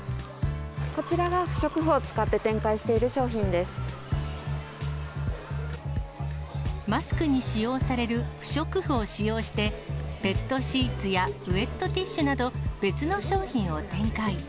こちらが不織布を使って展開マスクに使用される不織布を使用して、ペットシーツやウエットティッシュなど、別の商品を展開。